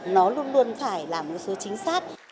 nó luôn luôn phải là một số chính xác